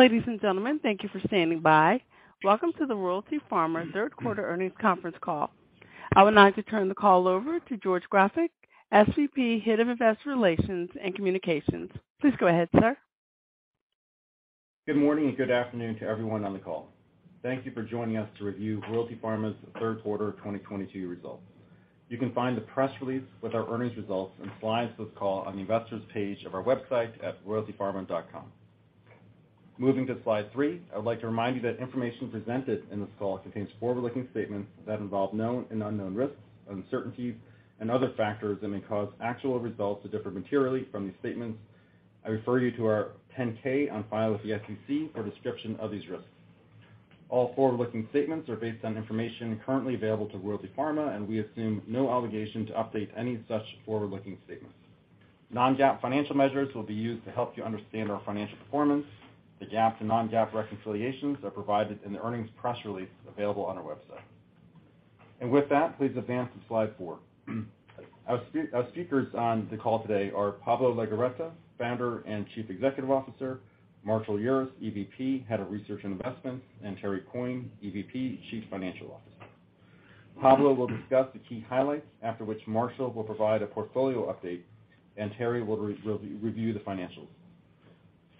Ladies and gentlemen, thank you for standing by. Welcome to the Royalty Pharma Third Quarter Earnings Conference Call. I would now like to turn the call over to George Grofik, SVP, Head of Investor Relations and Communications. Please go ahead, sir. Good morning, and good afternoon to everyone on the call. Thank you for joining us to review Royalty Pharma's third quarter of 2022 results. You can find the press release with our earnings results and slides of this call on the investors page of our website at royaltypharma.com. Moving to slide three, I would like to remind you that information presented in this call contains forward-looking statements that involve known and unknown risks, uncertainties, and other factors that may cause actual results to differ materially from these statements. I refer you to our 10-K on file with the SEC for a description of these risks. All forward-looking statements are based on information currently available to Royalty Pharma, and we assume no obligation to update any such forward-looking statements. Non-GAAP financial measures will be used to help you understand our financial performance. The GAAP to non-GAAP reconciliations are provided in the earnings press release available on our website. With that, please advance to slide four. Our speakers on the call today are Pablo Legorreta, Founder and Chief Executive Officer, Marshall Urist, EVP, Head of Research and Investments, and Terry Coyne, EVP, Chief Financial Officer. Pablo will discuss the key highlights, after which Marshall will provide a portfolio update and Terry will review the financials.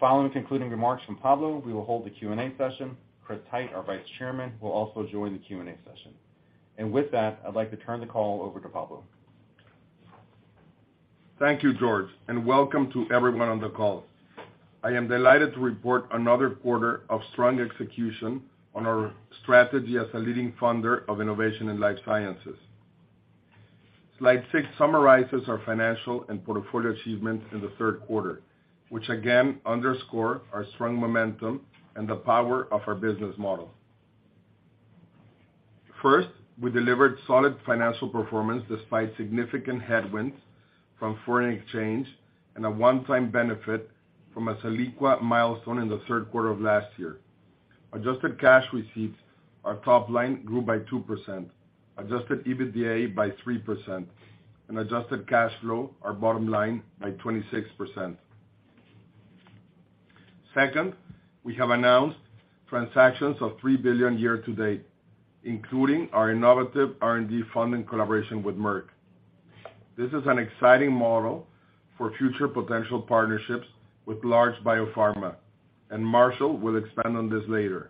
Following concluding remarks from Pablo, we will hold a Q and `A session. Chris Hite, our Vice Chairman, will also join the Q and A session. With that, I'd like to turn the call over to Pablo. Thank you, George, and welcome to everyone on the call. I am delighted to report another quarter of strong execution on our strategy as a leading funder of innovation in life sciences. Slide six summarizes our financial and portfolio achievements in the third quarter, which again underscore our strong momentum and the power of our business model. First, we delivered solid financial performance despite significant headwinds from foreign exchange and a one-time benefit from a Soliqua milestone in the third quarter of last year. Adjusted cash receipts, our top line, grew by 2%, adjusted EBITDA by 3% and adjusted cash flow, our bottom line, by 26%. Second, we have announced transactions of $3 billion year to date, including our innovative R&D funding collaboration with Merck. This is an exciting model for future potential partnerships with large biopharma, and Marshall will expand on this later.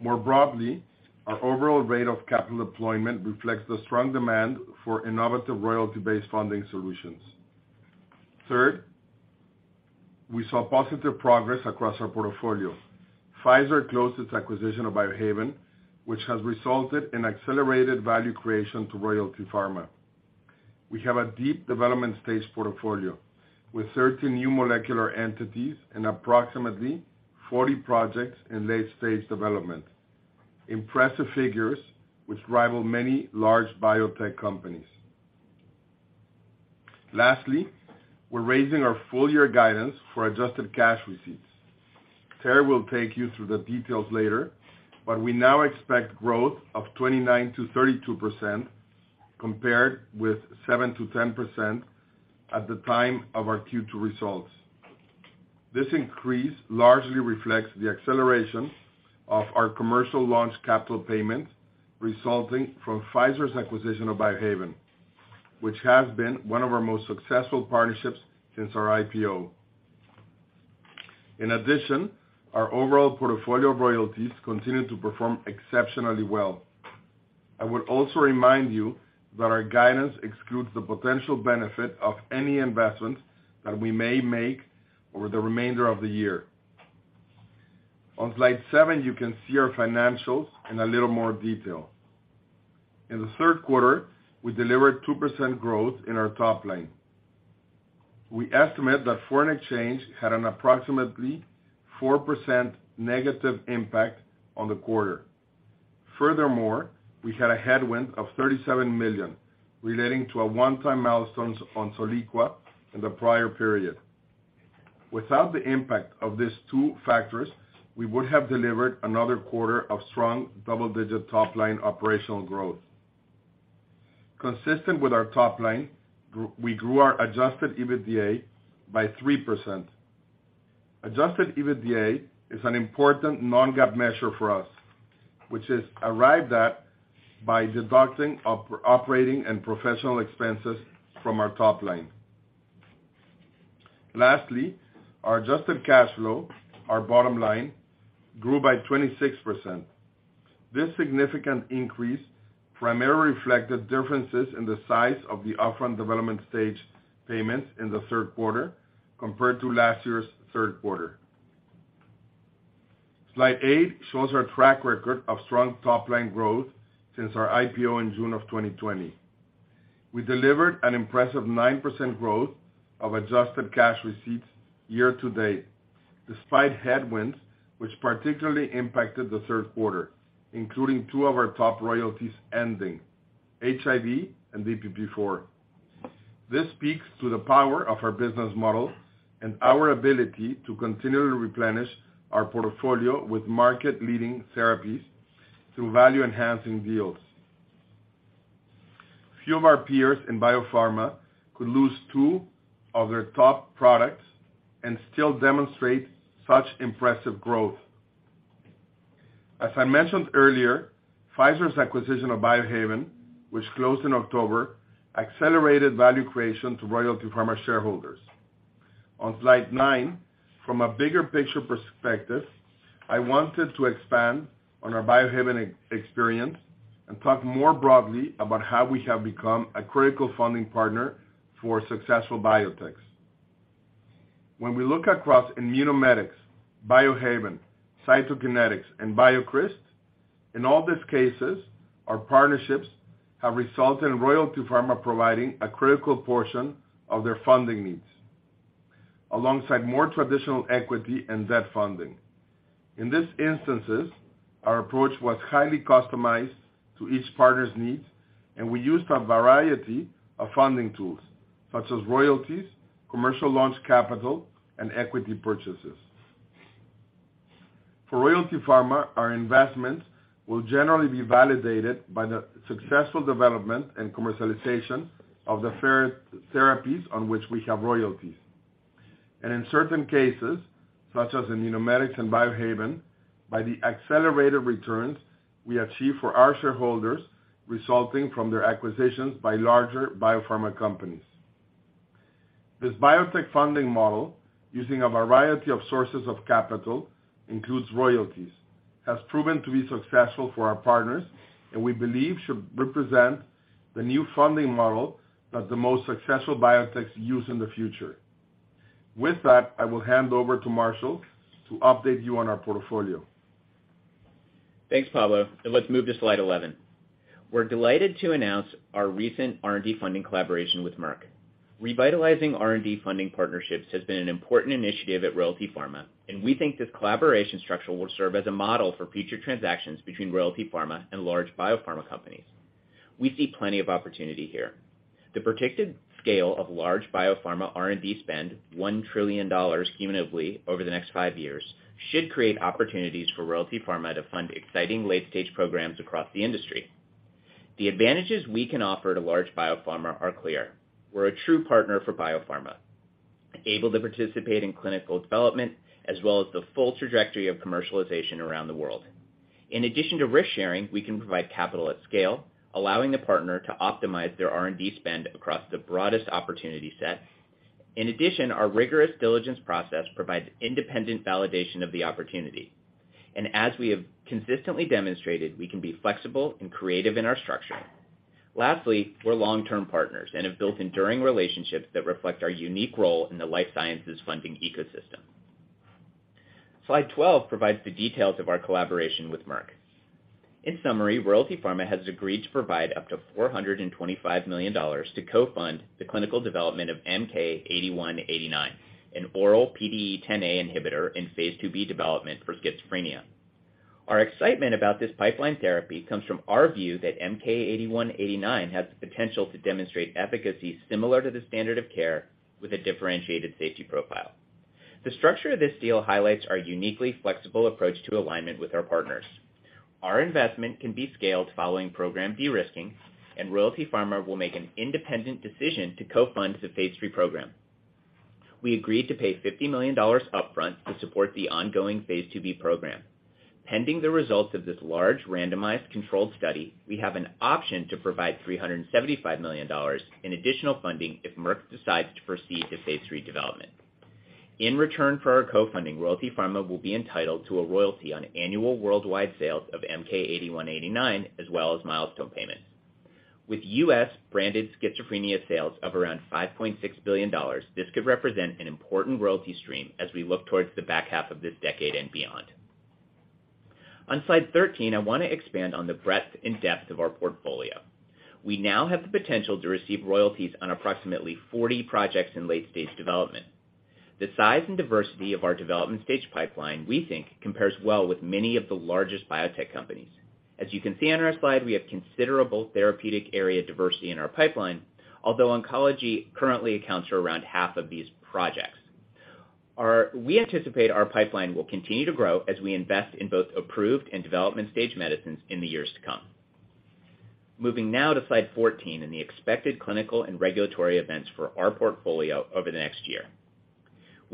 More broadly, our overall rate of capital deployment reflects the strong demand for innovative royalty-based funding solutions. Third, we saw positive progress across our portfolio. Pfizer closed its acquisition of Biohaven, which has resulted in accelerated value creation to Royalty Pharma. We have a deep development stage portfolio with 13 new molecular entities and approximately 40 projects in late-stage development. Impressive figures which rival many large biotech companies. Lastly, we're raising our full year guidance for adjusted cash receipts. Terry will take you through the details later, but we now expect growth of 29%-32% compared with 7%-10% at the time of our Q2 results. This increase largely reflects the acceleration of our commercial launch capital payment resulting from Pfizer's acquisition of Biohaven, which has been one of our most successful partnerships since our IPO. In addition, our overall portfolio of royalties continue to perform exceptionally well. I would also remind you that our guidance excludes the potential benefit of any investments that we may make over the remainder of the year. On slide seven, you can see our financials in a little more detail. In the third quarter, we delivered 2% growth in our top line. We estimate that foreign exchange had an approximately 4% negative impact on the quarter. Furthermore, we had a headwind of $37 million relating to a one-time milestone on Soliqua in the prior period. Without the impact of these two factors, we would have delivered another quarter of strong double-digit top-line operational growth. Consistent with our top line, we grew our adjusted EBITDA by 3%. Adjusted EBITDA is an important non-GAAP measure for us, which is arrived at by deducting operating and professional expenses from our top line. Lastly, our adjusted cash flow, our bottom line, grew by 26%. This significant increase primarily reflected differences in the size of the upfront development stage payments in the third quarter compared to last year's third quarter. Slide eight shows our track record of strong top-line growth since our IPO in June of 2020. We delivered an impressive 9% growth of adjusted cash receipts year to date, despite headwinds which particularly impacted the third quarter, including two of our top royalties ending, HIV and DPP-IV. This speaks to the power of our business model and our ability to continually replenish our portfolio with market-leading therapies through value-enhancing deals. Few of our peers in biopharma could lose two of their top products and still demonstrate such impressive growth. As I mentioned earlier, Pfizer's acquisition of Biohaven, which closed in October, accelerated value creation to Royalty Pharma shareholders. On slide nine, from a bigger picture perspective, I wanted to expand on our Biohaven experience and talk more broadly about how we have become a critical funding partner for successful biotechs. When we look across Immunomedics, Biohaven, Cytokinetics, and BioCryst, in all these cases, our partnerships have resulted in Royalty Pharma providing a critical portion of their funding needs, alongside more traditional equity and debt funding. In these instances, our approach was highly customized to each partner's needs, and we used a variety of funding tools such as royalties, commercial launch capital, and equity purchases. For Royalty Pharma, our investments will generally be validated by the successful development and commercialization of the therapies on which we have royalties, and in certain cases, such as Immunomedics and Biohaven, by the accelerated returns we achieve for our shareholders, resulting from their acquisitions by larger biopharma companies. This biotech funding model, using a variety of sources of capital, includes royalties, has proven to be successful for our partners, and we believe should represent the new funding model that the most successful biotechs use in the future. With that, I will hand over to Marshall to update you on our portfolio. Thanks, Pablo, and let's move to slide 11. We're delighted to announce our recent R&D funding collaboration with Merck. Revitalizing R&D funding partnerships has been an important initiative at Royalty Pharma, and we think this collaboration structure will serve as a model for future transactions between Royalty Pharma and large biopharma companies. We see plenty of opportunity here. The predicted scale of large biopharma R&D spend, $1 trillion cumulatively over the next five years, should create opportunities for Royalty Pharma to fund exciting late-stage programs across the industry. The advantages we can offer to large biopharma are clear. We're a true partner for biopharma, able to participate in clinical development, as well as the full trajectory of commercialization around the world. In addition to risk-sharing, we can provide capital at scale, allowing the partner to optimize their R&D spend across the broadest opportunity set. In addition, our rigorous diligence process provides independent validation of the opportunity, and as we have consistently demonstrated, we can be flexible and creative in our structuring. Lastly, we're long-term partners and have built enduring relationships that reflect our unique role in the life sciences funding ecosystem. Slide 12 provides the details of our collaboration with Merck. In summary, Royalty Pharma has agreed to provide up to $425 million to co-fund the clinical development of MK-8189, an oral PDE10A inhibitor in phase II-B development for schizophrenia. Our excitement about this pipeline therapy comes from our view that MK-8189 has the potential to demonstrate efficacy similar to the standard of care with a differentiated safety profile. The structure of this deal highlights our uniquely flexible approach to alignment with our partners. Our investment can be scaled following program de-risking, and Royalty Pharma will make an independent decision to co-fund the phase III program. We agreed to pay $50 million upfront to support the ongoing phase II-B program. Pending the results of this large randomized controlled study, we have an option to provide $375 million in additional funding if Merck decides to proceed to phase III development. In return for our co-funding, Royalty Pharma will be entitled to a royalty on annual worldwide sales of MK-8189, as well as milestone payments. With U.S.-branded schizophrenia sales of around $5.6 billion, this could represent an important royalty stream as we look towards the back half of this decade and beyond. On slide 13, I wanna expand on the breadth and depth of our portfolio. We now have the potential to receive royalties on approximately 40 projects in late-stage development. The size and diversity of our development stage pipeline, we think, compares well with many of the largest biotech companies. As you can see on our slide, we have considerable therapeutic area diversity in our pipeline, although oncology currently accounts for around half of these projects. We anticipate our pipeline will continue to grow as we invest in both approved and development stage medicines in the years to come. Moving now to slide 14 in the expected clinical and regulatory events for our portfolio over the next year.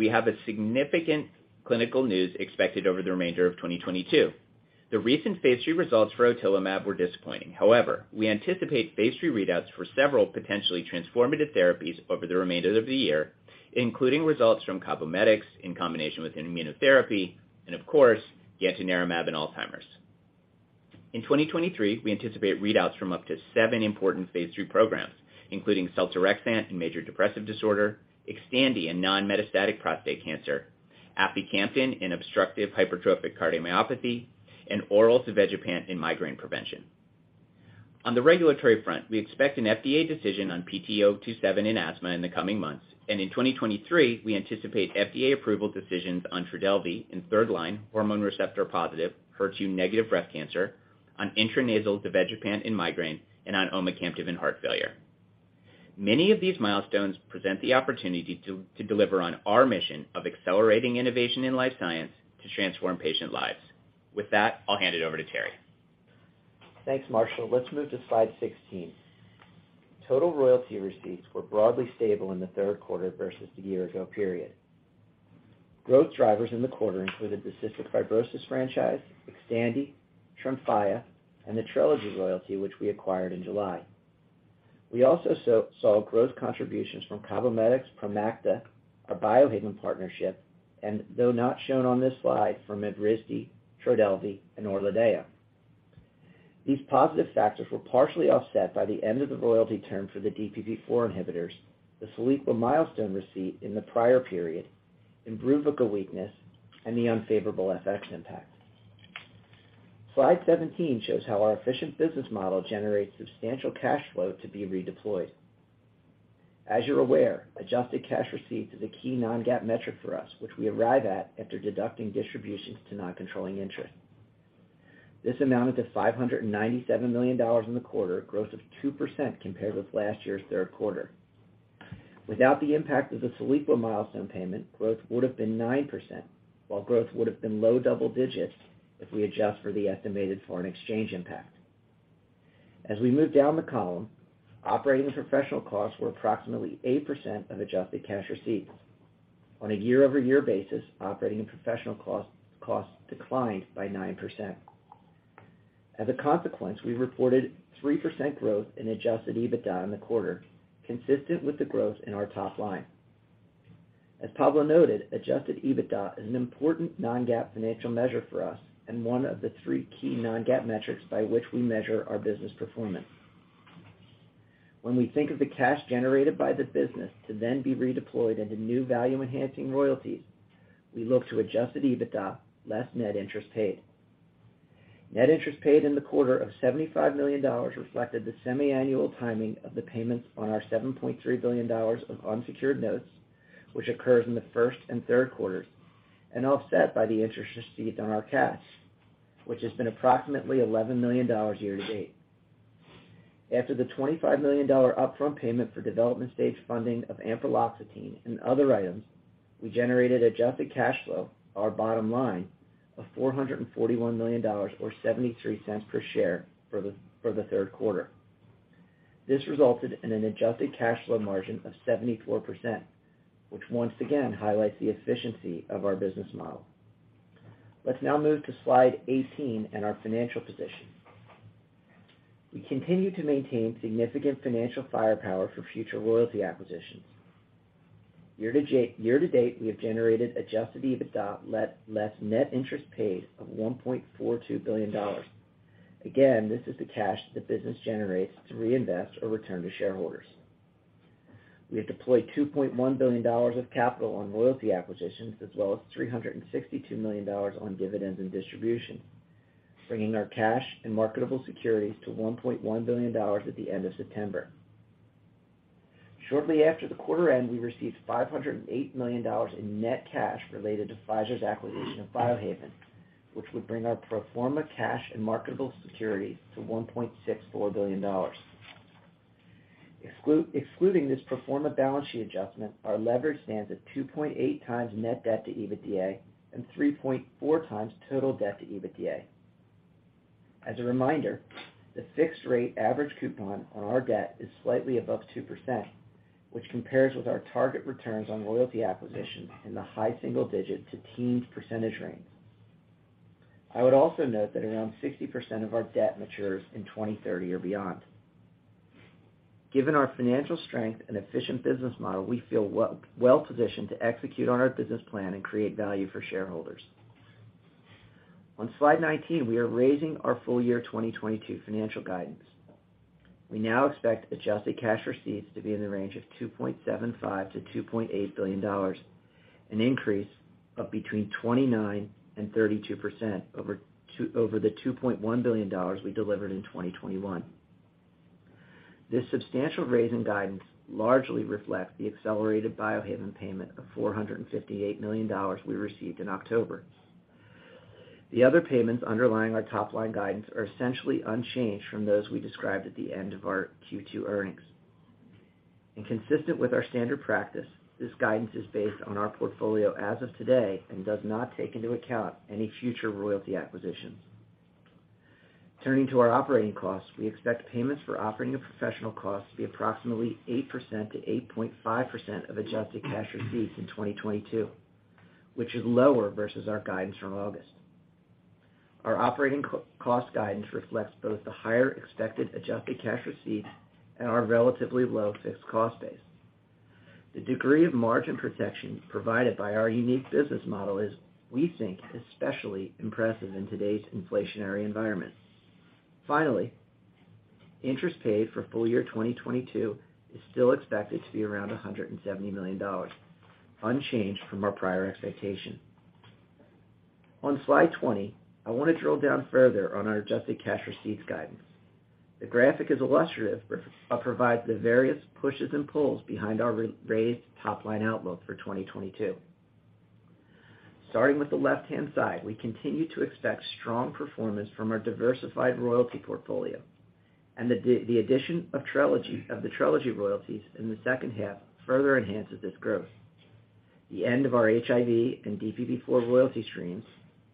We have a significant clinical news expected over the remainder of 2022. The recent phase III results for otilimab were disappointing. However, we anticipate phase III readouts for several potentially transformative therapies over the remainder of the year, including results from CABOMETYX in combination with immunotherapy and, of course, gantenerumab in Alzheimer's. In 2023, we anticipate readouts from up to seven important phase III programs, including seltorexant in major depressive disorder, XTANDI in non-metastatic prostate cancer, aficamten in obstructive hypertrophic cardiomyopathy, and oral zavegepant in migraine prevention. On the regulatory front, we expect an FDA decision on PT027 in asthma in the coming months, and in 2023, we anticipate FDA approval decisions on TRODELVY in third-line hormone receptor positive HER2- breast cancer, on intranasal zavegepant in migraine, and on omecamtiv mecarbil in heart failure. Many of these milestones present the opportunity to deliver on our mission of accelerating innovation in life science to transform patient lives. With that, I'll hand it over to Terry. Thanks, Marshall. Let's move to slide 16. Total royalty receipts were broadly stable in the third quarter versus the year ago period. Growth drivers in the quarter included the cystic fibrosis franchise, XTANDI, TREMFYA, and the Trelegy royalty which we acquired in July. We also saw growth contributions from CABOMETYX, Promacta, our Biohaven partnership, and though not shown on this slide, from Evrysdi, TRODELVY, and ORLADEYO. These positive factors were partially offset by the end of the royalty term for the DPP-IV inhibitors, the Soliqua milestone receipt in the prior period, IMBRUVICA weakness, and the unfavorable FX impact. Slide 17 shows how our efficient business model generates substantial cash flow to be redeployed. As you're aware, adjusted cash receipt is a key non-GAAP metric for us, which we arrive at after deducting distributions to non-controlling interest. This amounted to $597 million in the quarter, growth of 2% compared with last year's third quarter. Without the impact of the Soliqua milestone payment, growth would have been 9%, while growth would have been low double digits if we adjust for the estimated foreign exchange impact. As we move down the column, operating professional costs were approximately 8% of adjusted cash receipts. On a year-over-year basis, operating and professional costs declined by 9%. As a consequence, we reported 3% growth in adjusted EBITDA in the quarter, consistent with the growth in our top line. As Pablo noted, adjusted EBITDA is an important non-GAAP financial measure for us and one of the three key non-GAAP metrics by which we measure our business performance. When we think of the cash generated by the business to then be redeployed into new value-enhancing royalties, we look to adjusted EBITDA, less net interest paid. Net interest paid in the quarter of $75 million reflected the semi-annual timing of the payments on our $7.3 billion of unsecured notes, which occurs in the first and third quarters, and offset by the interest received on our cash, which has been approximately $11 million year-to-date. After the $25 million upfront payment for development stage funding of ampreloxetine and other items, we generated adjusted cash flow, our bottom line, of $441 million or $0.73 per share for the third quarter. This resulted in an adjusted cash flow margin of 74%, which once again highlights the efficiency of our business model. Let's now move to slide 18 and our financial position. We continue to maintain significant financial firepower for future royalty acquisitions. Year to date, we have generated adjusted EBITDA, less net interest paid of $1.42 billion. Again, this is the cash the business generates to reinvest or return to shareholders. We have deployed $2.1 billion of capital on royalty acquisitions as well as $362 million on dividends and distribution, bringing our cash and marketable securities to $1.1 billion at the end of September. Shortly after the quarter end, we received $508 million in net cash related to Pfizer's acquisition of Biohaven, which would bring our pro forma cash and marketable securities to $1.64 billion. Excluding this pro forma balance sheet adjustment, our leverage stands at 2.8x net debt to EBITDA and 3.4x total debt to EBITDA. As a reminder, the fixed rate average coupon on our debt is slightly above 2%, which compares with our target returns on royalty acquisition in the high single digit to teens percentage range. I would also note that around 60% of our debt matures in 2030 or beyond. Given our financial strength and efficient business model, we feel well positioned to execute on our business plan and create value for shareholders. On slide 19, we are raising our full year 2022 financial guidance. We now expect adjusted cash receipts to be in the range of $2.75 billion-$2.8 billion, an increase of between 29% and 32% over the $2.1 billion we delivered in 2021. This substantial raise in guidance largely reflects the accelerated Biohaven payment of $458 million we received in October. The other payments underlying our top-line guidance are essentially unchanged from those we described at the end of our Q2 earnings. Consistent with our standard practice, this guidance is based on our portfolio as of today and does not take into account any future royalty acquisitions. Turning to our operating costs, we expect payments for operating and professional costs to be approximately 8%-8.5% of adjusted cash receipts in 2022, which is lower versus our guidance from August. Our operating cost guidance reflects both the higher expected adjusted cash receipts and our relatively low fixed cost base. The degree of margin protection provided by our unique business model is, we think, especially impressive in today's inflationary environment. Finally, interest paid for full year 2022 is still expected to be around $170 million, unchanged from our prior expectation. On slide 20, I wanna drill down further on our adjusted cash receipts guidance. The graphic is illustrative, provides the various pushes and pulls behind our raised top-line outlook for 2022. Starting with the left-hand side, we continue to expect strong performance from our diversified royalty portfolio and the addition of the Trelegy royalties in the second half further enhances this growth. The end of our HIV and DPP-IV royalty streams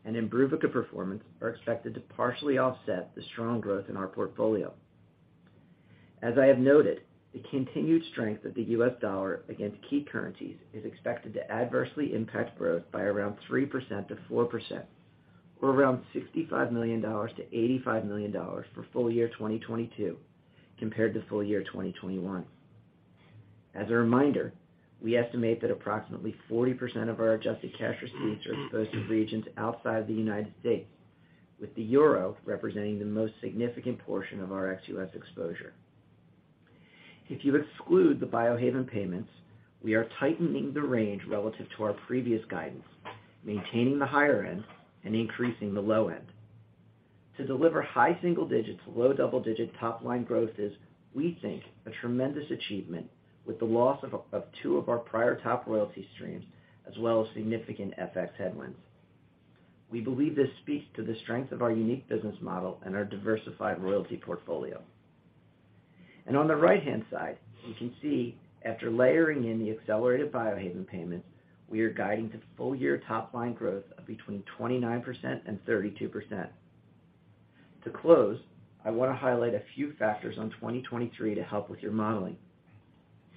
and IMBRUVICA performance are expected to partially offset the strong growth in our portfolio. As I have noted, the continued strength of the US dollar against key currencies is expected to adversely impact growth by around 3%-4%, or around $65 million-$85 million for full year 2022 compared to full year 2021. As a reminder, we estimate that approximately 40% of our adjusted cash receipts are exposed to regions outside the United States, with the euro representing the most significant portion of our ex U.S. exposure. If you exclude the Biohaven payments, we are tightening the range relative to our previous guidance, maintaining the higher end and increasing the low end. To deliver high single digits, low double-digit top line growth is, we think, a tremendous achievement with the loss of two of our prior top royalty streams as well as significant FX headwinds. We believe this speaks to the strength of our unique business model and our diversified royalty portfolio. On the right-hand side, you can see after layering in the accelerated Biohaven payments, we are guiding to full year top line growth of between 29% and 32%. To close, I wanna highlight a few factors on 2023 to help with your modeling.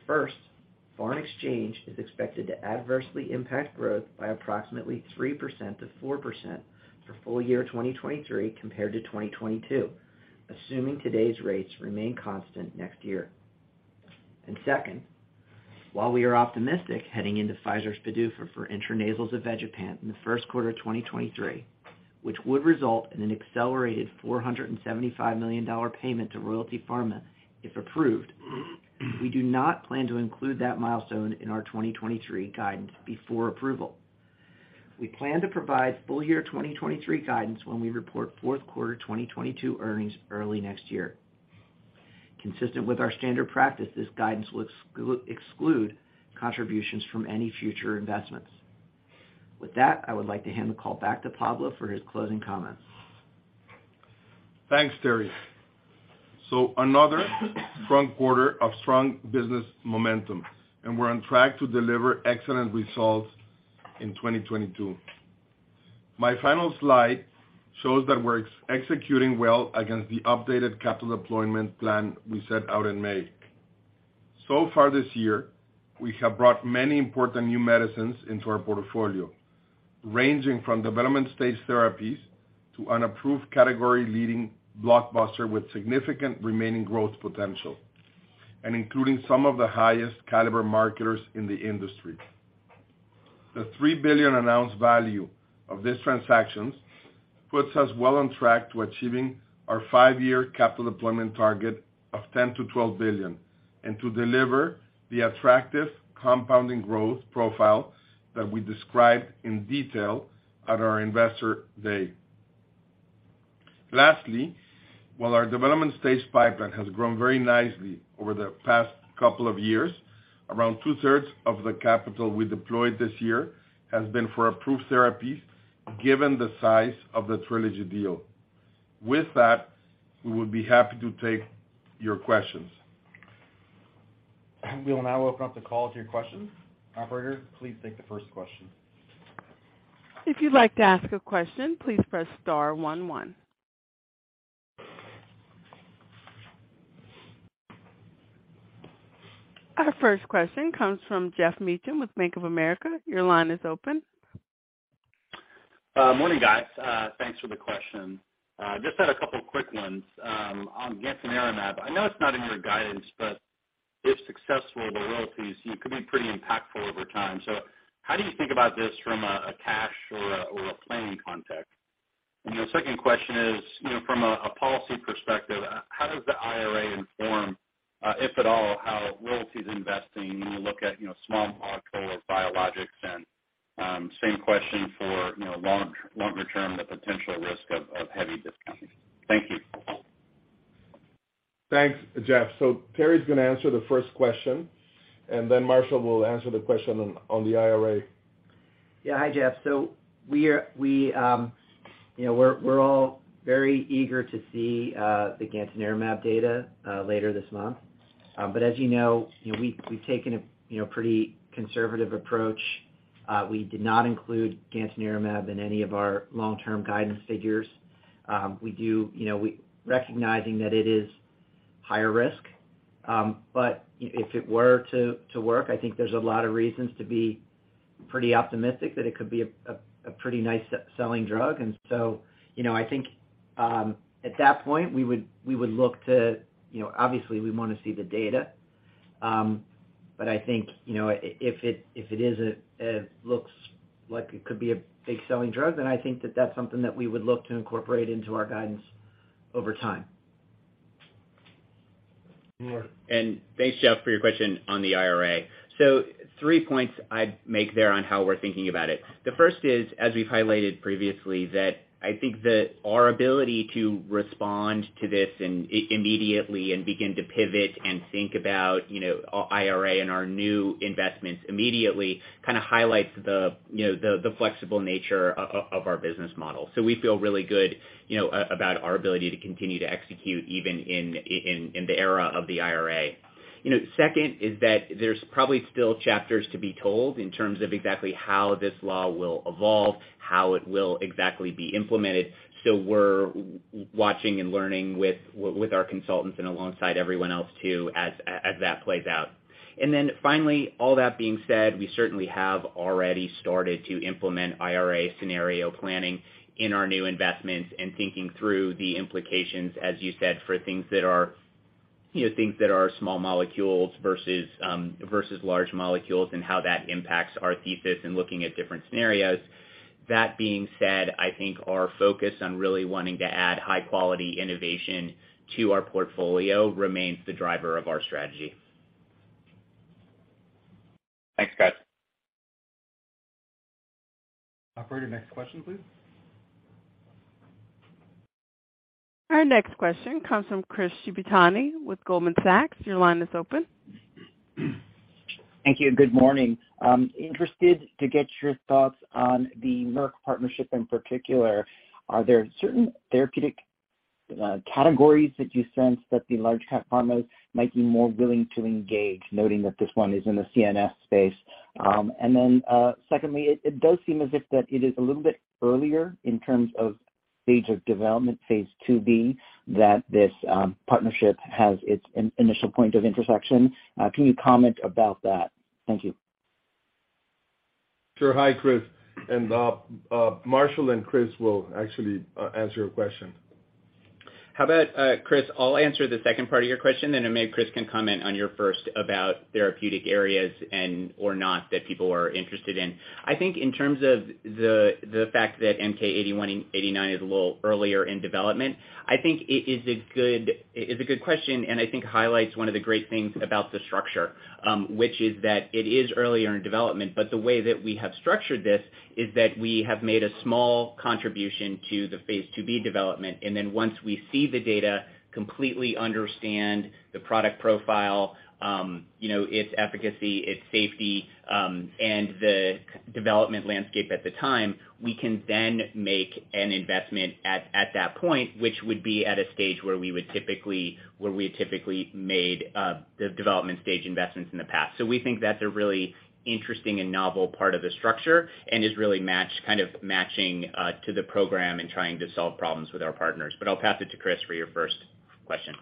First, foreign exchange is expected to adversely impact growth by approximately 3%-4% for full year 2023 compared to 2022, assuming today's rates remain constant next year. Second, while we are optimistic heading into Pfizer's PDUFA for intranasal zavegepant in the first quarter of 2023, which would result in an accelerated $475 million payment to Royalty Pharma if approved, we do not plan to include that milestone in our 2023 guidance before approval. We plan to provide full year 2023 guidance when we report fourth quarter 2022 earnings early next year. Consistent with our standard practice, this guidance will exclude contributions from any future investments. With that, I would like to hand the call back to Pablo for his closing comments. Thanks, Terry. Another strong quarter of strong business momentum, and we're on track to deliver excellent results in 2022. My final slide shows that we're executing well against the updated capital deployment plan we set out in May. So far this year, we have brought many important new medicines into our portfolio, ranging from development-stage therapies to an approved category leading blockbuster with significant remaining growth potential and including some of the highest caliber marketers in the industry. The $3 billion announced value of these transactions puts us well on track to achieving our five-year capital deployment target of $10 billion-$12 billion, and to deliver the attractive compounding growth profile that we described in detail at our Investor Day. Lastly, while our development stage pipeline has grown very nicely over the past couple of years, around two-thirds of the capital we deployed this year has been for approved therapies given the size of the Trelegy deal. With that, we would be happy to take your questions. We will now open up the call to your questions. Operator, please take the first question. If you'd like to ask a question, please press star one one. Our first question comes from Geoff Meacham with Bank of America. Your line is open. Morning, guys. Thanks for the question. Just had a couple quick ones. On gantenerumab, I know it's not in your guidance, but if successful, the royalties, you know, could be pretty impactful over time. So how do you think about this from a cash or a planning context? And then a second question is, you know, from a policy perspective, how does the IRA inform, if at all, how royalty investing when you look at, you know, small molecules or biologics and, same question for, you know, long-term, the potential risk of heavy discounting. Thank you. Thanks, Geoff. Terry's gonna answer the first question, and then Marshall will answer the question on the IRA. Yeah. Hi, Geoff. We are you know, we're all very eager to see the gantenerumab data later this month. But as you know, you know, we've taken a you know, pretty conservative approach. We did not include gantenerumab in any of our long-term guidance figures. We do you know, we recognize that it is higher risk. But if it were to work, I think there's a lot of reasons to be pretty optimistic that it could be a pretty nice best-selling drug. You know, I think at that point, we would look to you know, obviously we wanna see the data. I think, you know, if it looks like it could be a big selling drug, then I think that that's something that we would look to incorporate into our guidance over time. Thanks, Geoff, for your question on the IRA. Three points I'd make there on how we're thinking about it. The first is, as we've highlighted previously, that I think that our ability to respond to this and immediately and begin to pivot and think about, you know, IRA and our new investments immediately kind of highlights the, you know, the flexible nature of our business model. We feel really good, you know, about our ability to continue to execute even in, in the era of the IRA. You know, second is that there's probably still chapters to be told in terms of exactly how this law will evolve, how it will exactly be implemented. We're watching and learning with our consultants and alongside everyone else too, as that plays out. Finally, all that being said, we certainly have already started to implement IRA scenario planning in our new investments and thinking through the implications, as you said, for things that are, you know, small molecules versus versus large molecules and how that impacts our thesis and looking at different scenarios. That being said, I think our focus on really wanting to add high-quality innovation to our portfolio remains the driver of our strategy. Thanks, guys. Operator, next question, please. Our next question comes from Chris Shibutani with Goldman Sachs. Your line is open. Thank you. Good morning. Interested to get your thoughts on the Merck partnership in particular. Are there certain therapeutic categories that you sense that the large cap partners might be more willing to engage, noting that this one is in the CNS space? Secondly, it does seem as if it is a little bit earlier in terms of stage of development, phase II-B, that this partnership has its initial point of intersection. Can you comment about that? Thank you. Sure. Hi, Chris. Marshall and Chris will actually answer your question. How about, Chris, I'll answer the second part of your question, then maybe Chris can comment on your first about therapeutic areas and/or not that people are interested in. I think in terms of the fact that MK-8189 is a little earlier in development. I think it is a good question and I think highlights one of the great things about the structure, which is that it is earlier in development, but the way that we have structured this is that we have made a small contribution to the phase II-B development, and then once we see the data, completely understand the product profile, you know, its efficacy, its safety, and the development landscape at the time, we can then make an investment at that point, which would be at a stage where we typically made the development stage investments in the past. We think that's a really interesting and novel part of the structure and is really matched, kind of matching, to the program and trying to solve problems with our partners. I'll pass it to Chris for your first question.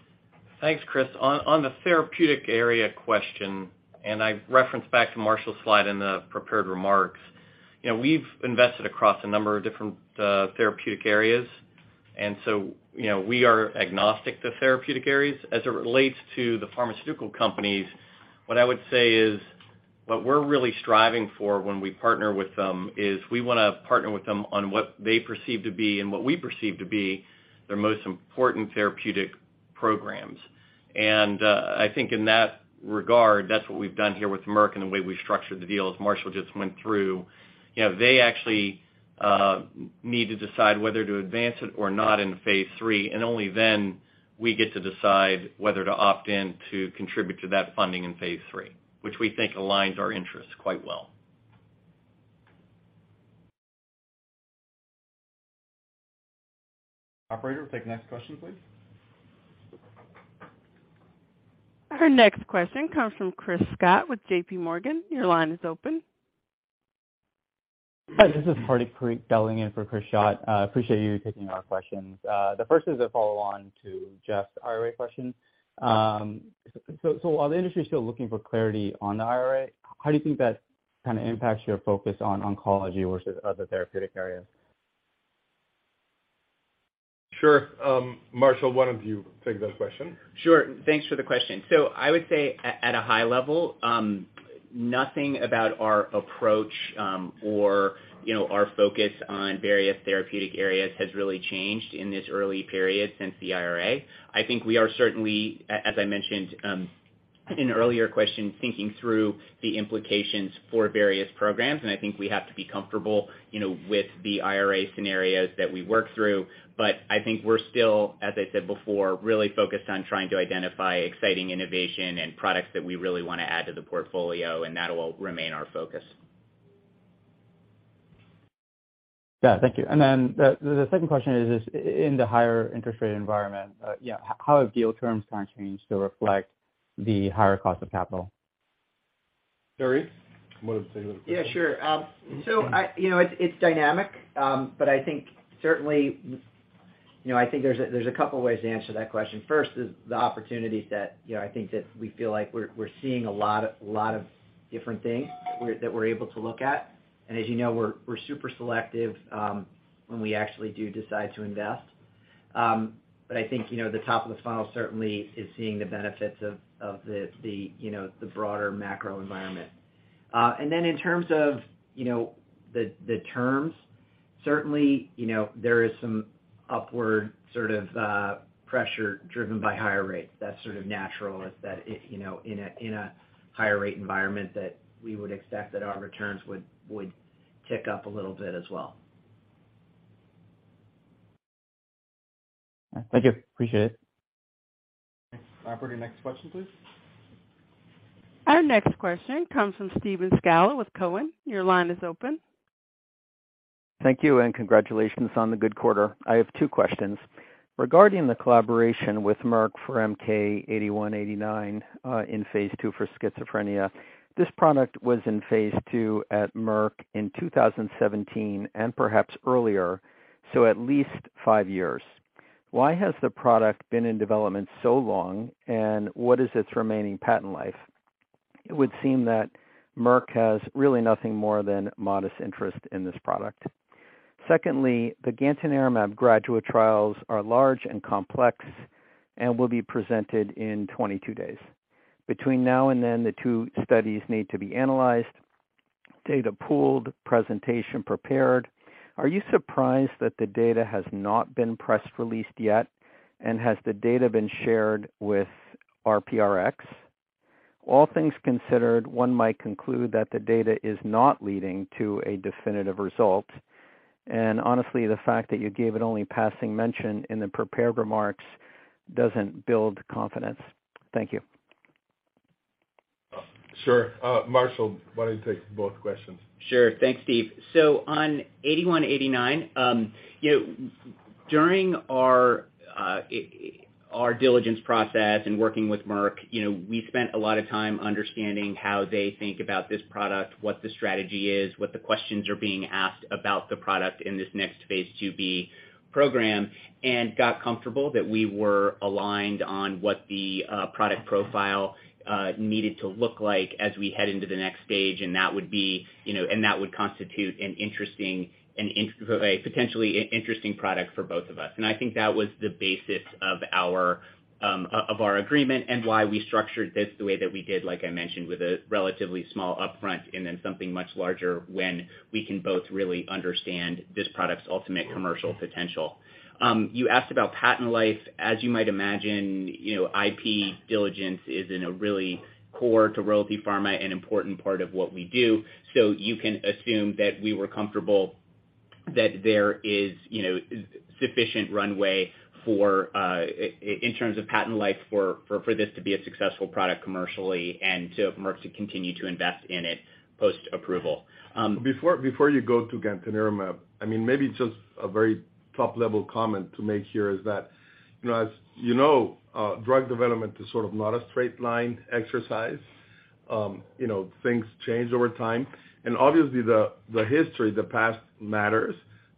Thanks, Chris. On the therapeutic area question, I reference back to Marshall's slide in the prepared remarks. You know, we've invested across a number of different therapeutic areas. You know, we are agnostic to therapeutic areas. As it relates to the pharmaceutical companies, what I would say is what we're really striving for when we partner with them is we wanna partner with them on what they perceive to be and what we perceive to be their most important therapeutic programs. I think in that regard, that's what we've done here with Merck and the way we've structured the deal, as Marshall just went through. You know, they actually need to decide whether to advance it or not in phase III, and only then we get to decide whether to opt in to contribute to that funding in phase III, which we think aligns our interests quite well. Operator, we'll take the next question, please. Our next question comes from Chris Schott with JPMorgan. Your line is open. Hi, this is Hardik Parikh dialing in for Chris Schott. Appreciate you taking our questions. The first is a follow-on to Geoff's IRA question. While the industry is still looking for clarity on the IRA, how do you think that kinda impacts your focus on oncology versus other therapeutic areas? Sure. Marshall, why don't you take that question? Sure. Thanks for the question. I would say at a high level, nothing about our approach, or, you know, our focus on various therapeutic areas has really changed in this early period since the IRA. I think we are certainly, as I mentioned, in earlier questions, thinking through the implications for various programs, and I think we have to be comfortable, you know, with the IRA scenarios that we work through. I think we're still, as I said before, really focused on trying to identify exciting innovation and products that we really wanna add to the portfolio, and that will remain our focus. Thank you. The second question is, in the higher interest rate environment, how have deal terms kinda changed to reflect the higher cost of capital? Terry, you want to take that question? Yeah, sure. You know, it's dynamic. But I think certainly, you know, I think there's a couple ways to answer that question. First is the opportunities that, you know, I think that we feel like we're seeing a lot of different things that we're able to look at. And as you know, we're super selective when we actually do decide to invest. But I think, you know, the top of the funnel certainly is seeing the benefits of the broader macro environment. And then in terms of the terms. Certainly, you know, there is some upward sort of pressure driven by higher rates. That's sort of natural, isn't it, you know, in a higher rate environment that we would expect that our returns would tick up a little bit as well. Thank you. Appreciate it. Operator, next question, please. Our next question comes from Steven Scala with Cowen. Your line is open. Thank you, and congratulations on the good quarter. I have two questions. Regarding the collaboration with Merck for MK-8189 in phase II for schizophrenia, this product was in phase II at Merck in 2017 and perhaps earlier, so at least five years. Why has the product been in development so long, and what is its remaining patent life? It would seem that Merck has really nothing more than modest interest in this product. Secondly, the gantenerumab GRADUATE trials are large and complex and will be presented in 22 days. Between now and then, the two studies need to be analyzed, data pooled, presentation prepared. Are you surprised that the data has not been press released yet? Has the data been shared with RPRX? All things considered, one might conclude that the data is not leading to a definitive result. Honestly, the fact that you gave it only passing mention in the prepared remarks doesn't build confidence. Thank you. Sure. Marshall, why don't you take both questions? Sure. Thanks, Steve. On MK-8189, you know, during our diligence process in working with Merck, you know, we spent a lot of time understanding how they think about this product, what the strategy is, what the questions are being asked about the product in this next phase II-B program, and got comfortable that we were aligned on what the product profile needed to look like as we head into the next stage. That would be, you know, that would constitute an interesting, a potentially interesting product for both of us. I think that was the basis of our of our agreement and why we structured this the way that we did, like I mentioned, with a relatively small upfront and then something much larger when we can both really understand this product's ultimate commercial potential. You asked about patent life. As you might imagine, you know, IP diligence is really core to Royalty Pharma, an important part of what we do. You can assume that we were comfortable that there is, you know, sufficient runway in terms of patent life for this to be a successful product commercially and for Merck to continue to invest in it post-approval. Before you go to gantenerumab, I mean, maybe just a very top-level comment to make here is that, you know, as you know, drug development is sort of not a straight line exercise. You know, things change over time. Obviously, the history, the past matters,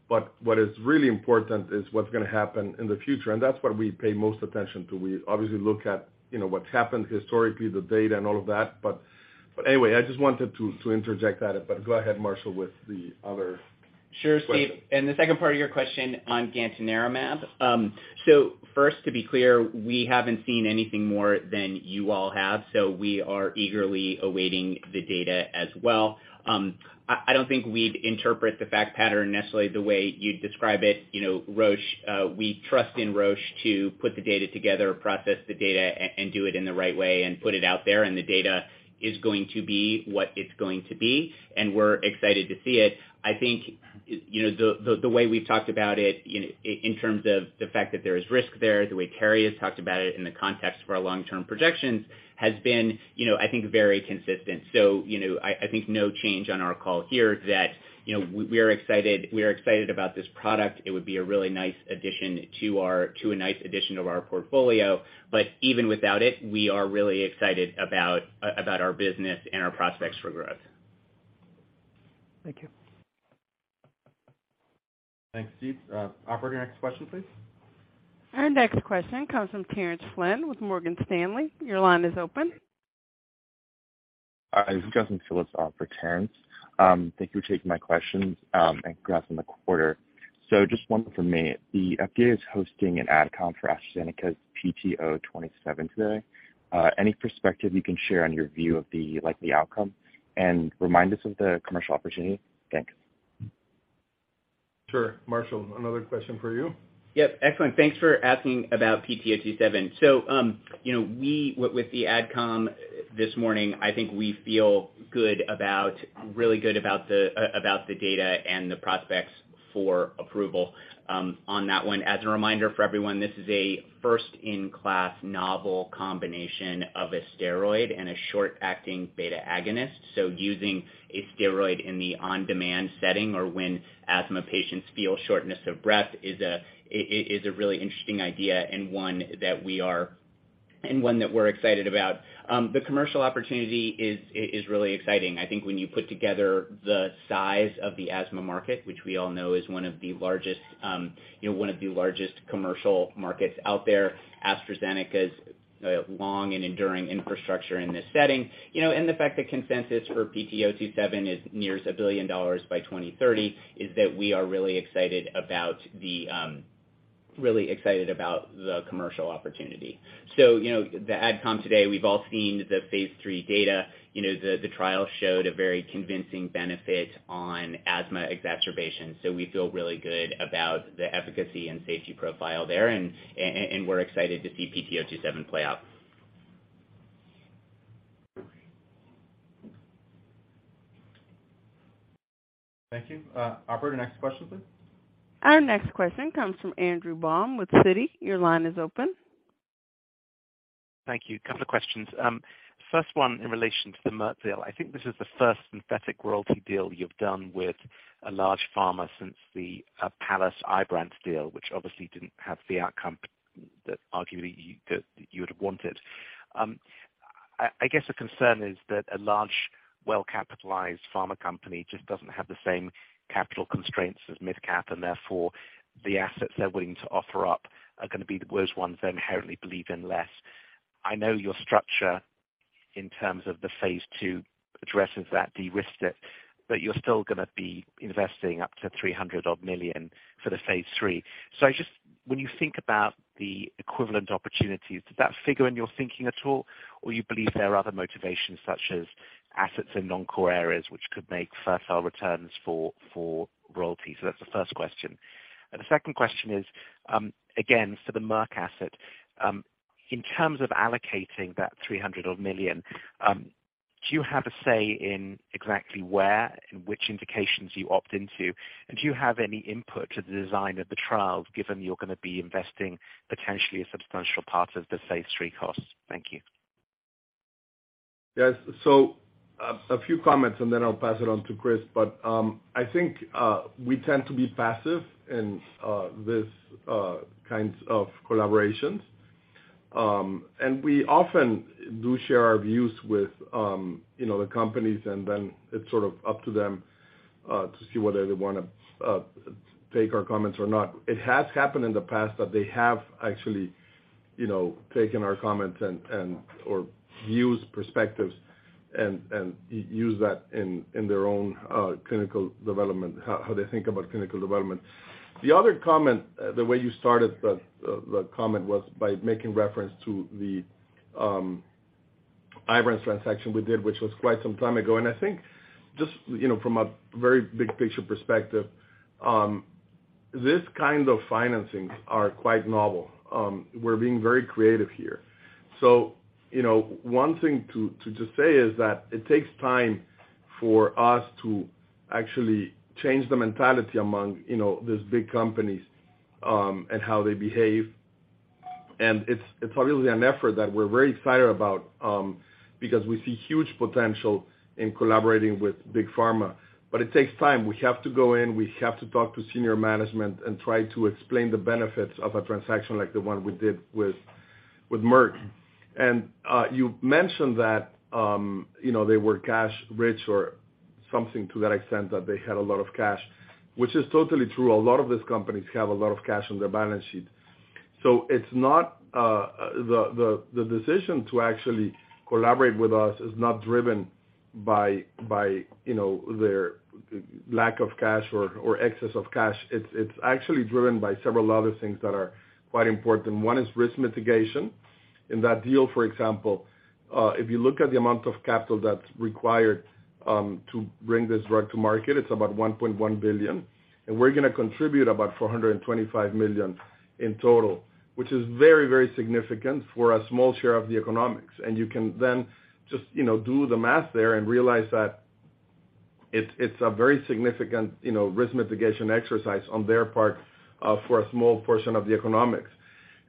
but what is really important is what's gonna happen in the future, and that's what we pay most attention to. We obviously look at, you know, what's happened historically, the data and all of that. But anyway, I just wanted to interject that. Go ahead, Marshall, with the other question. Sure, Steve. The second part of your question on gantenerumab. First, to be clear, we haven't seen anything more than you all have, so we are eagerly awaiting the data as well. I don't think we'd interpret the fact pattern necessarily the way you describe it. You know, Roche, we trust in Roche to put the data together, process the data and do it in the right way and put it out there, and the data is going to be what it's going to be, and we're excited to see it. I think, you know, the way we've talked about it in terms of the fact that there is risk there, the way Terry has talked about it in the context of our long-term projections has been, you know, I think, very consistent. You know, I think no change on our call here that, you know, we are excited about this product. It would be a really nice addition to our portfolio. But even without it, we are really excited about our business and our prospects for growth. Thank you. Thanks, Steve. Operator, next question, please. Our next question comes from Terrence Flynn with Morgan Stanley. Your line is open. Hi, this is Justin Phillips for Terrence. Thank you for taking my questions, and congrats on the quarter. Just one for me. The FDA is hosting an AdComm for AstraZeneca's PT027 today. Any perspective you can share on your view of the likely outcome? Remind us of the commercial opportunity. Thanks. Sure. Marshall, another question for you. Yep. Excellent. Thanks for asking about PT027. With the AdComm this morning, I think we feel good about really good about the data and the prospects for approval on that one. As a reminder for everyone, this is a first-in-class novel combination of a steroid and a short-acting beta agonist. Using a steroid in the on-demand setting or when asthma patients feel shortness of breath is a really interesting idea and one that we're excited about. The commercial opportunity is really exciting. I think when you put together the size of the asthma market, which we all know is one of the largest, you know, one of the largest commercial markets out there, AstraZeneca's long and enduring infrastructure in this setting, you know, and the fact that consensus for PT027 is near $1 billion by 2030 is that we are really excited about the commercial opportunity. You know, the AdComm today, we've all seen the phase III data. You know, the trial showed a very convincing benefit on asthma exacerbation. We feel really good about the efficacy and safety profile there, and we're excited to see PT027 play out. Thank you. Operator, next question, please. Our next question comes from Andrew Baum with Citi. Your line is open. Thank you. Couple of questions. First one in relation to the Merck deal. I think this is the first synthetic royalty deal you've done with a large pharma since the PALOMA Ibrance deal, which obviously didn't have the outcome that arguably that you would have wanted. I guess the concern is that a large, well-capitalized pharma company just doesn't have the same capital constraints as mid-cap, and therefore, the assets they're willing to offer up are gonna be the worst ones they inherently believe in less. I know your structure in terms of the phase II addresses that, de-risk it, but you're still gonna be investing up to $300-odd million for the phase III. When you think about the equivalent opportunities, did that figure in your thinking at all? You believe there are other motivations, such as assets in non-core areas which could make fertile returns for royalties? That's the first question. The second question is, again, for the Merck asset, in terms of allocating that $300-odd million, do you have a say in exactly where and which indications you opt into? Do you have any input to the design of the trials, given you're gonna be investing potentially a substantial part of the phase III costs? Thank you. Yes. A few comments, and then I'll pass it on to Chris. I think we tend to be passive in these kinds of collaborations. We often do share our views with, you know, the companies, and then it's sort of up to them to see whether they wanna take our comments or not. It has happened in the past that they have actually, you know, taken our comments or views, perspectives, and use that in their own clinical development, how they think about clinical development. The other comment, the way you started the comment was by making reference to the Ibrance transaction we did, which was quite some time ago. I think just, you know, from a very big picture perspective, this kind of financings are quite novel. We're being very creative here. You know, one thing to say is that it takes time for us to actually change the mentality among, you know, these big companies, and how they behave. It's really an effort that we're very excited about, because we see huge potential in collaborating with big pharma. It takes time. We have to go in, we have to talk to senior management and try to explain the benefits of a transaction like the one we did with Merck. You mentioned that, you know, they were cash rich or something to that extent, that they had a lot of cash, which is totally true. A lot of these companies have a lot of cash on their balance sheet. It's not the decision to actually collaborate with us is not driven by you know their lack of cash or excess of cash. It's actually driven by several other things that are quite important. One is risk mitigation. In that deal, for example, if you look at the amount of capital that's required to bring this drug to market, it's about $1.1 billion. We're gonna contribute about $425 million in total, which is very significant for a small share of the economics. You can then just you know do the math there and realize that it's a very significant you know risk mitigation exercise on their part for a small portion of the economics.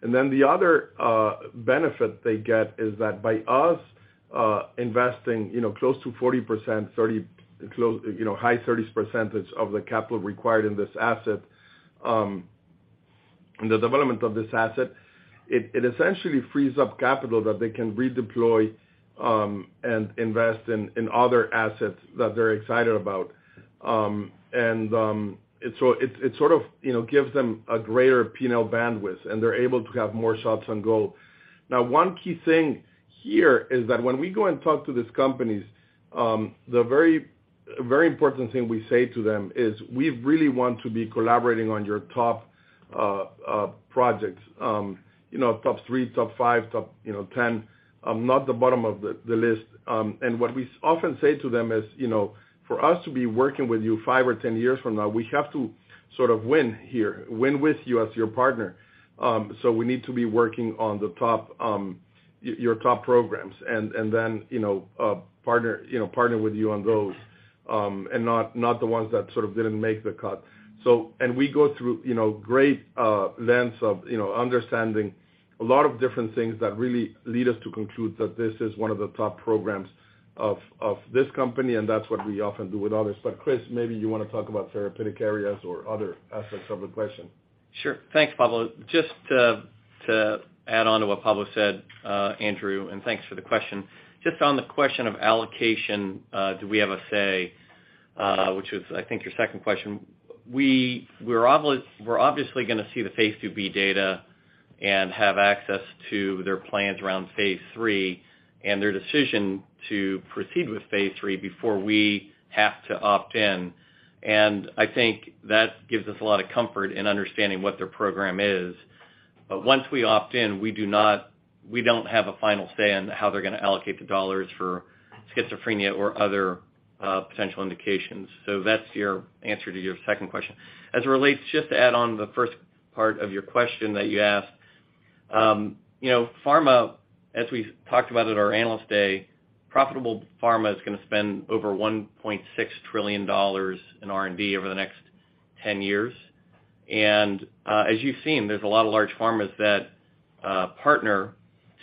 The other benefit they get is that by us investing, you know, close to 40%, high 30s% of the capital required in this asset, in the development of this asset, it essentially frees up capital that they can redeploy, and invest in other assets that they're excited about. It sort of, you know, gives them a greater P&L bandwidth, and they're able to have more shots on goal. Now, one key thing here is that when we go and talk to these companies, the very, very important thing we say to them is, "We really want to be collaborating on your top projects, you know, top three, top five, top ten, not the bottom of the list." What we often say to them is, you know, "For us to be working with you five or ten years from now, we have to sort of win here, win with you as your partner. So we need to be working on the top, your top programs and then, you know, partner, you know, partner with you on those, and not the ones that sort of didn't make the cut." We go through, you know, great lengths of, you know, understanding a lot of different things that really lead us to conclude that this is one of the top programs of this company, and that's what we often do with others. Chris, maybe you wanna talk about therapeutic areas or other aspects of the question. Sure. Thanks, Pablo. Just to add on to what Pablo said, Andrew, and thanks for the question. Just on the question of allocation, do we have a say, which was I think your second question. We're obviously gonna see the phase II-B data. Have access to their plans around phase III and their decision to proceed with phase III before we have to opt in. I think that gives us a lot of comfort in understanding what their program is. Once we opt in, we don't have a final say on how they're gonna allocate the dollars for schizophrenia or other potential indications. That's your answer to your second question. As it relates, just to add on the first part of your question that you asked. You know, pharma, as we talked about at our Analyst Day, profitable pharma is gonna spend over $1.6 trillion in R&D over the next 10 years. As you've seen, there's a lot of large pharmas that partner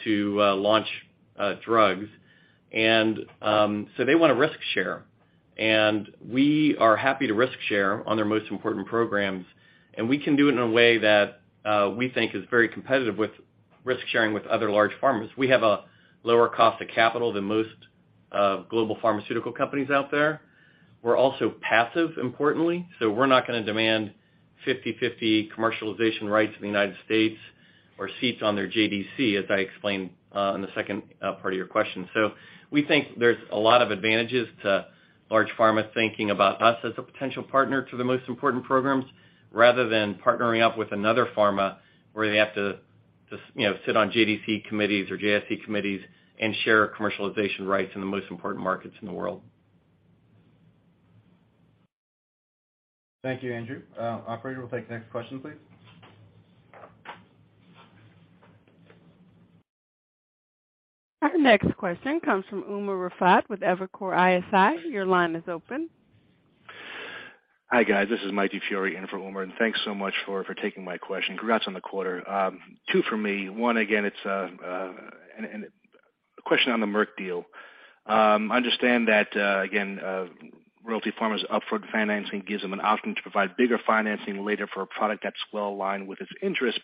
to launch drugs. They wanna risk share, and we are happy to risk share on their most important programs, and we can do it in a way that we think is very competitive with risk-sharing with other large pharmas. We have a lower cost of capital than most global pharmaceutical companies out there. We're also passive, importantly, so we're not gonna demand 50/50 commercialization rights in the United States or seats on their JDC, as I explained in the second part of your question. We think there's a lot of advantages to large pharma thinking about us as a potential partner to the most important programs rather than partnering up with another pharma where they have to you know sit on JDC committees or JSC committees and share commercialization rights in the most important markets in the world. Thank you, Andrew. Operator, we'll take the next question, please. Our next question comes from Umer Raffat with Evercore ISI. Your line is open. Hi, guys. This is Michael DiFiore in for Umer, and thanks so much for taking my question. Congrats on the quarter. Two for me. One, again, it's a question on the Merck deal. Understand that, again, Royalty Pharma's upfront financing gives them an option to provide bigger financing later for a product that's well aligned with its interest.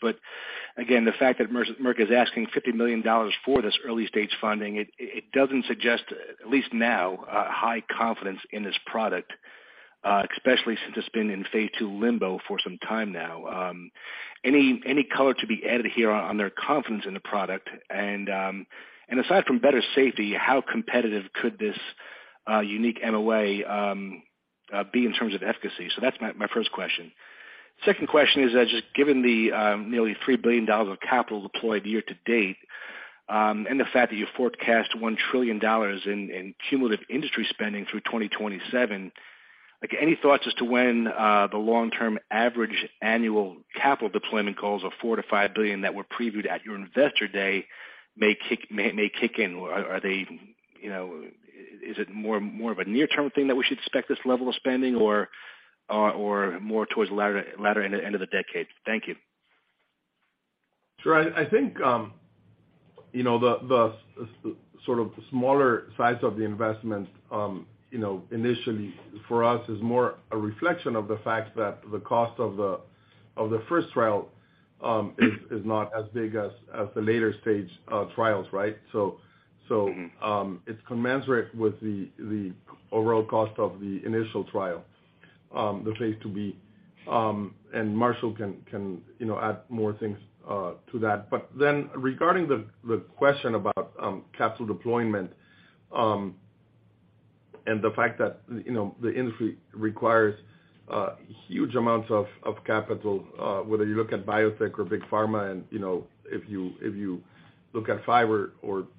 Again, the fact that Merck is asking $50 million for this early-stage funding, it doesn't suggest, at least now, a high confidence in this product, especially since it's been in phase II limbo for some time now. Any color to be added here on their confidence in the product? Aside from better safety, how competitive could this unique MOA be in terms of efficacy? That's my first question. Second question is, just given the nearly $3 billion of capital deployed year to date, and the fact that you forecast $1 trillion in cumulative industry spending through 2027, like, any thoughts as to when the long-term average annual capital deployment goals of $4 billion-$5 billion that were previewed at your Investor Day may kick in? Or are they, you know? Is it more of a near-term thing that we should expect this level of spending or more towards the latter end of the decade? Thank you. Sure. I think, you know, the sort of smaller size of the investment, you know, initially for us is more a reflection of the fact that the cost of the first trial is not as big as the later stage trials, right? It's commensurate with the overall cost of the initial trial, the phase II-B. Marshall can you know add more things to that. Regarding the question about capital deployment and the fact that you know the industry requires huge amounts of capital whether you look at biotech or big pharma and you know if you look at five or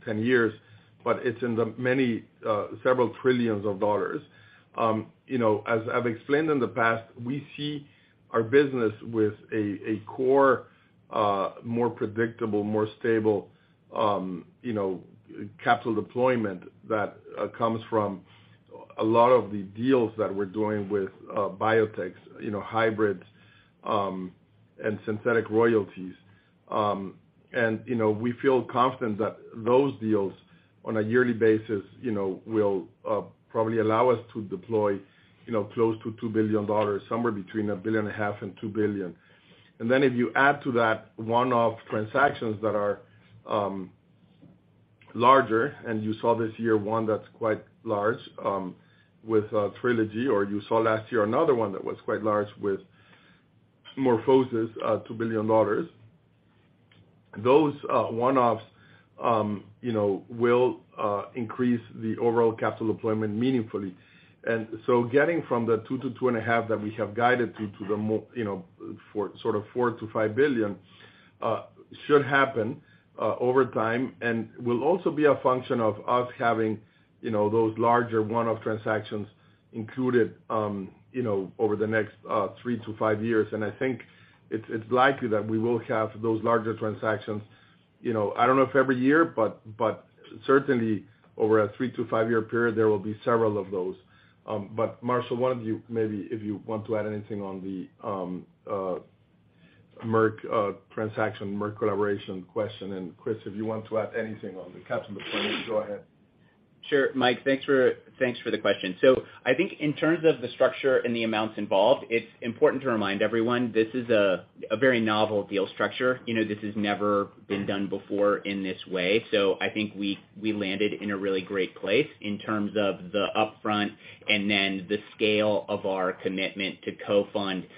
10 years, but it's in the many several trillions of dollars. You know as I've explained in the past, we see our business with a core more predictable, more stable you know capital deployment that comes from a lot of the deals that we're doing with biotechs you know hybrids and synthetic royalties. You know, we feel confident that those deals on a yearly basis, you know, will probably allow us to deploy, you know, close to $2 billion, somewhere between $1.5 billion and $2 billion. Then if you add to that one-off transactions that are larger, and you saw this year one that's quite large with Trilogy, or you saw last year another one that was quite large with MorphoSys, $2 billion. Those one-offs, you know, will increase the overall capital deployment meaningfully. Getting from the $2 billion to $2.5 billion that we have guided to the, you know, for sort of $4 billion-$5 billion should happen over time and will also be a function of us having, you know, those larger one-off transactions included, you know, over the next three-five years. I think it's likely that we will have those larger transactions, you know. I don't know if every year, but certainly over a three-five-year period, there will be several of those. But Marshall, why don't you maybe if you want to add anything on the Merck transaction, Merck collaboration question. Chris, if you want to add anything on the capital deployment, go ahead. Sure. Mike, thanks for the question. I think in terms of the structure and the amounts involved, it's important to remind everyone this is a very novel deal structure. You know, this has never been done before in this way. I think we landed in a really great place in terms of the upfront and then the scale of our commitment to co-fund, you know,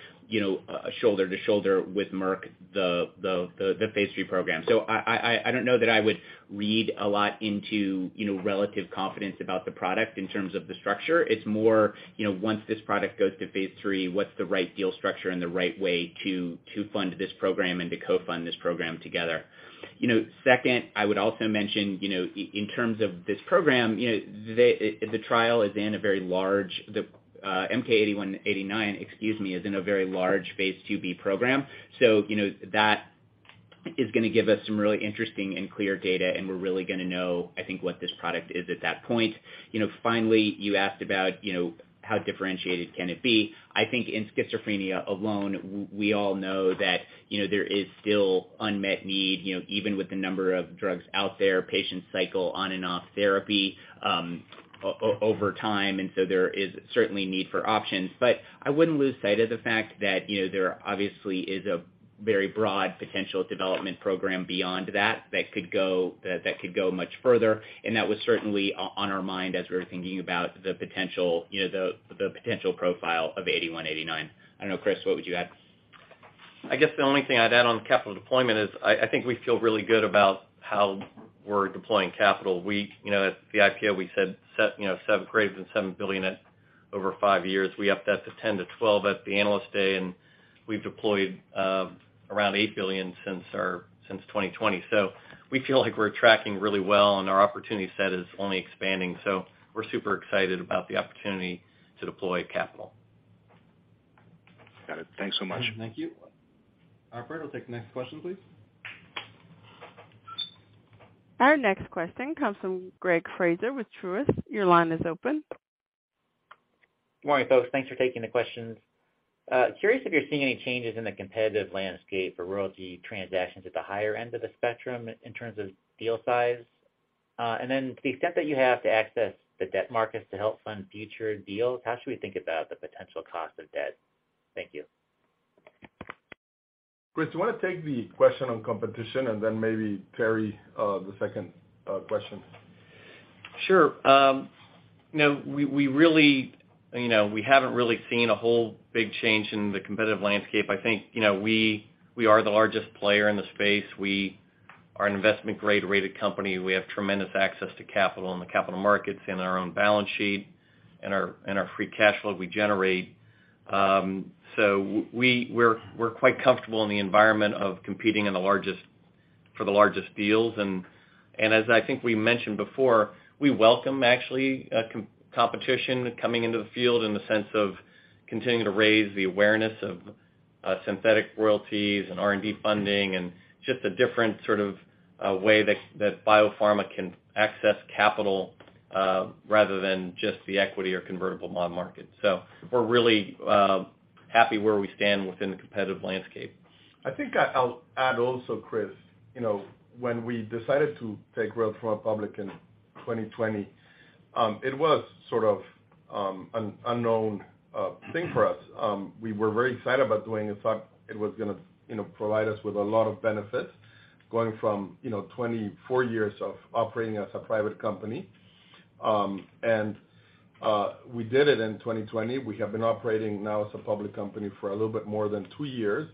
shoulder to shoulder with Merck, the phase III program. I don't know that I would read a lot into, you know, relative confidence about the product in terms of the structure. It's more, you know, once this product goes to phase III, what's the right deal structure and the right way to fund this program and to co-fund this program together. You know, second, I would also mention, you know, in terms of this program, you know, the trial is in a very large MK-8189, excuse me, is in a very large phase II-B program. So, you know, that is gonna give us some really interesting and clear data, and we're really gonna know, I think, what this product is at that point. You know, finally, you asked about, you know, how differentiated can it be. I think in schizophrenia alone, we all know that, you know, there is still unmet need, you know, even with the number of drugs out there, patients cycle on and off therapy, over time. There is certainly need for options. I wouldn't lose sight of the fact that, you know, there obviously is a very broad potential development program beyond that could go much further. And that was certainly on our mind as we were thinking about the potential, you know, the potential profile of MK-8189. I don't know, Chris, what would you add? I guess the only thing I'd add on capital deployment is I think we feel really good about how we're deploying capital. We, you know, at the IPO, we said set, you know, greater than $7 billion over 5 years. We upped that to $10 billion-$12 billion at the Analyst Day, and we've deployed around $8 billion since 2020. We feel like we're tracking really well, and our opportunity set is only expanding. We're super excited about the opportunity to deploy capital. Got it. Thanks so much. Thank you. Operator, we'll take the next question, please. Our next question comes from Greg Fraser with Truist. Your line is open. Morning, folks. Thanks for taking the questions. Curious if you're seeing any changes in the competitive landscape for royalty transactions at the higher end of the spectrum in terms of deal size. To the extent that you have to access the debt markets to help fund future deals, how should we think about the potential cost of debt? Thank you. Chris, you wanna take the question on competition, and then maybe Terry, the second question. Sure. You know, we really, you know, we haven't really seen a whole big change in the competitive landscape. I think, you know, we are the largest player in the space. We are an investment-grade rated company. We have tremendous access to capital in the capital markets, in our own balance sheet, and our free cash flow we generate. We're quite comfortable in the environment of competing for the largest deals. As I think we mentioned before, we welcome actually competition coming into the field in the sense of continuing to raise the awareness of synthetic royalties and R&D funding and just a different sort of way that biopharma can access capital rather than just the equity or convertible bond market. We're really happy where we stand within the competitive landscape. I think I'll add also, Chris, you know, when we decided to take Royalty Pharma public in 2020, it was sort of an unknown thing for us. We were very excited about doing it, thought it was gonna provide us with a lot of benefits going from, you know, 24 years of operating as a private company. We did it in 2020. We have been operating now as a public company for a little bit more than two years.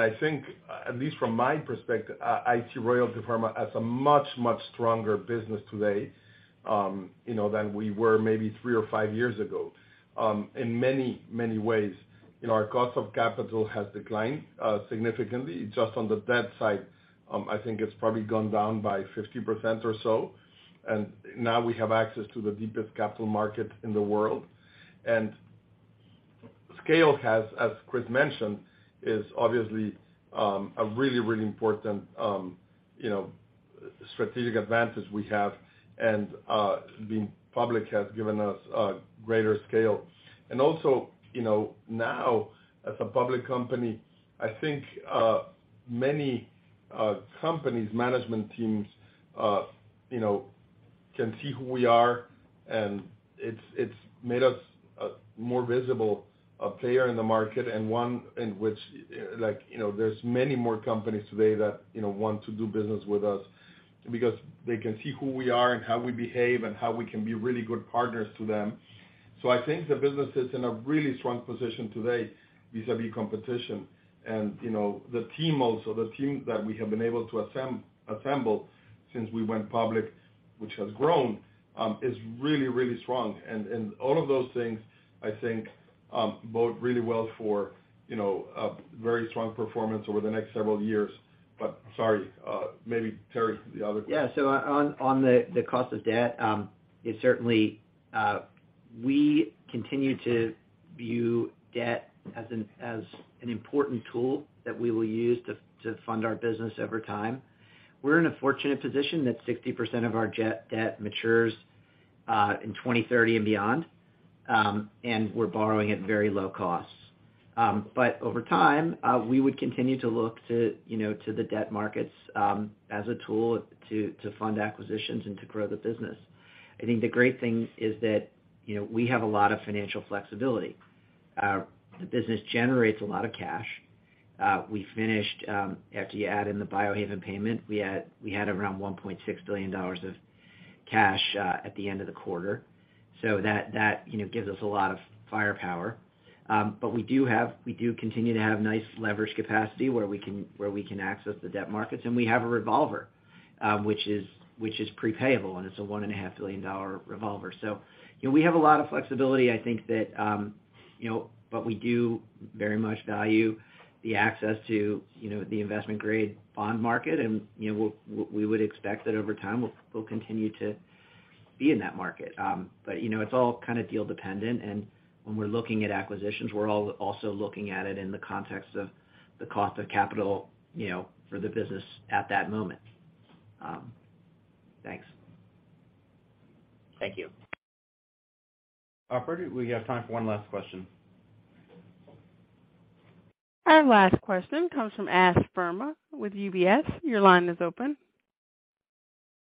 I think, at least from my perspective, I see Royalty Pharma as a much stronger business today, you know, than we were maybe three or five years ago, in many ways. You know, our cost of capital has declined significantly. Just on the debt side, I think it's probably gone down by 50% or so. Now we have access to the deepest capital market in the world. Scale, as Chris mentioned, is obviously a really, really important strategic advantage we have, and being public has given us a greater scale. Also, now as a public company, I think many companies' management teams can see who we are, and it's made us a more visible player in the market and one in which, like, you know, there's many more companies today that want to do business with us because they can see who we are and how we behave and how we can be really good partners to them. I think the business is in a really strong position today vis-à-vis competition. You know, the team also, the team that we have been able to assemble since we went public, which has grown, is really, really strong. All of those things, I think, bode really well for, you know, a very strong performance over the next several years. Sorry, maybe Terry, the other- On the cost of debt, it's certainly, we continue to view debt as an important tool that we will use to fund our business over time. We're in a fortunate position that 60% of our debt matures In 2030 and beyond, we're borrowing at very low costs. Over time, we would continue to look to, you know, to the debt markets as a tool to fund acquisitions and to grow the business. I think the great thing is that, you know, we have a lot of financial flexibility. The business generates a lot of cash. We finished, after you add in the Biohaven payment, we had around $1.6 billion of cash at the end of the quarter. So that, you know, gives us a lot of firepower. We do have. We do continue to have nice leverage capacity where we can access the debt markets, and we have a revolver, which is pre-payable, and it's a $1.5 billion revolver. You know, we have a lot of flexibility. I think that, you know, we do very much value the access to, you know, the investment-grade bond market and, you know, we would expect that over time, we'll continue to be in that market. You know, it's all kinda deal dependent, and when we're looking at acquisitions, we're also looking at it in the context of the cost of capital, you know, for the business at that moment. Thanks. Thank you. Operator, we have time for one last question. Our last question comes from Ash Verma with UBS. Your line is open.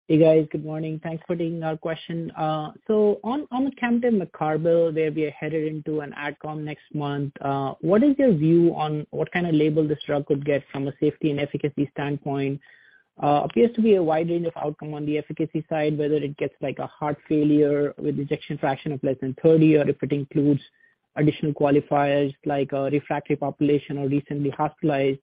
Hey, guys. Good morning. Thanks for taking our question. So on omecamtiv mecarbil, where we are headed into an AdComm next month, what is your view on what kinda label this drug could get from a safety and efficacy standpoint? Appears to be a wide range of outcome on the efficacy side, whether it gets like a heart failure with ejection fraction of less than 30, or if it includes additional qualifiers like a refractory population or recently hospitalized.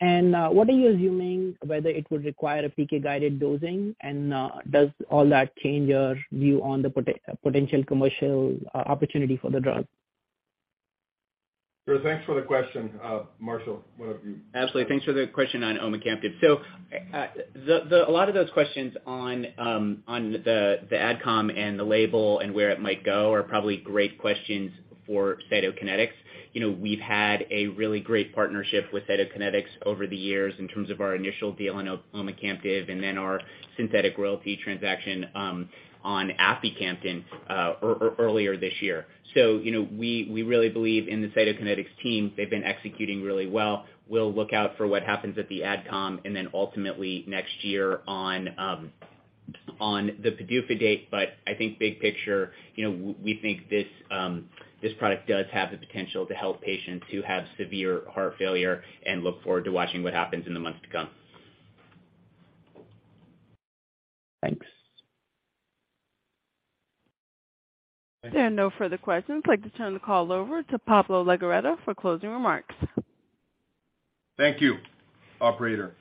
What are you assuming whether it would require a PK-guided dosing, and does all that change your view on the potential commercial opportunity for the drug? Sure. Thanks for the question. Marshall, why don't you- Ash, thanks for the question on omecamtiv. A lot of those questions on the AdComm and the label and where it might go are probably great questions for Cytokinetics. You know, we've had a really great partnership with Cytokinetics over the years in terms of our initial deal on omecamtiv, and then our synthetic royalty transaction on aficamten earlier this year. You know, we really believe in the Cytokinetics team. They've been executing really well. We'll look out for what happens at the AdComm, and then ultimately next year on the PDUFA date. I think big picture, you know, we think this product does have the potential to help patients who have severe heart failure and look forward to watching what happens in the months to come. Thanks. Thank you. There are no further questions. I'd like to turn the call over to Pablo Legorreta for closing remarks. Thank you, operator.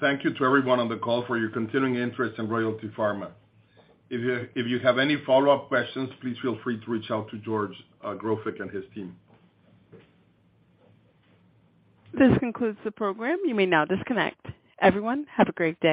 Thank you to everyone on the call for your continuing interest in Royalty Pharma. If you have any follow-up questions, please feel free to reach out to George Grofik and his team. This concludes the program. You may now disconnect. Everyone, have a great day.